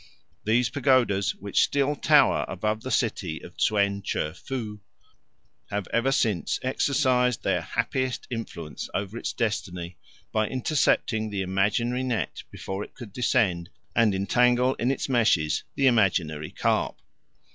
These pagodas, which still tower above the city of Tsuen cheu fu, have ever since exercised the happiest influence over its destiny by intercepting the imaginary net before it could descend and entangle in its meshes the imaginary carp.